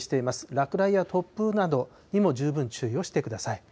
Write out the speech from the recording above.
落雷や突風などにも十分注意をしてください。